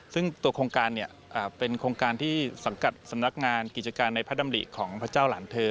ซึ่งตัวโครงการเป็นโครงการที่สังกัดสำนักงานกิจการในพระดำริของพระเจ้าหลานเธอ